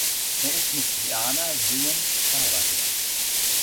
Er ist mit Jana Williams verheiratet.